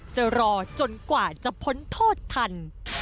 จะรอจนกว่าจะพ้นโทษทัน